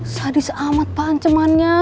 sadis amat pancemannya